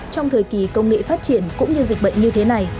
trong thời kỳ công nghệ phát triển cũng như dịch bệnh như thế này